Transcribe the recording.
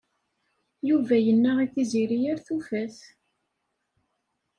Yuba yenna i Tiziri ar tufat.